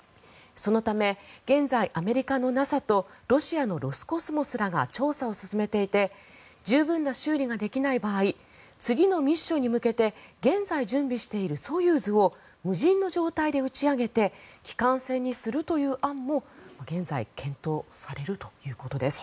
そのため現在アメリカのＮＡＳＡとロシアのロスコスモスらが調査を進めていて十分な修理ができない場合次のミッションに向けて現在、準備しているソユーズを無人の状態で打ち上げて帰還船にするという案も現在検討されるということです。